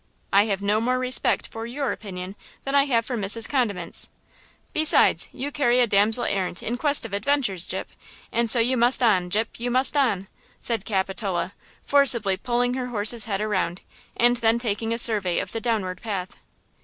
I have no more respect for your opinion than I have for Mrs. Condiment's. Besides, you carry a damsel errant in quest of adventures, Gyp, and so you must on, Gyp–you must on!" said Capitola, forcibly pulling her horse's head around, and then taking a survey of the downward path.